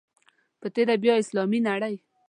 په تېره بیا اسلامي نړۍ.